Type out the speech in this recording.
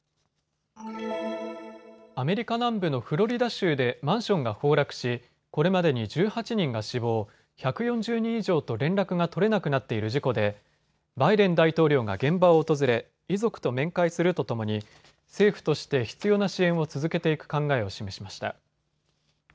アメリカ南部のフロリダ州でマンションが崩落しこれまでに１８人が死亡、１４０人以上と連絡が取れなくなっている事故でバイデン大統領が現場を訪れ、遺族と面会するとともに政府として必要な支援を続けていく考えを示しました。